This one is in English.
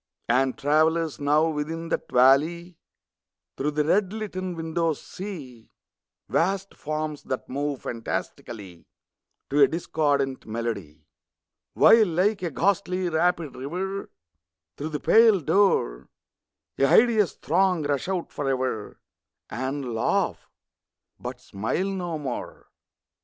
And travellers, now, within that valley, Through the red litten windows see Vast forms, that move fantastically To a discordant melody, While, like a ghastly rapid river, Through the pale door A hideous throng rush out forever And laugh but smile no more.